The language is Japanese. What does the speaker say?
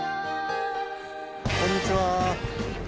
こんにちは。